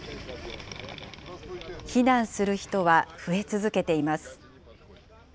避難する人は増え続けています。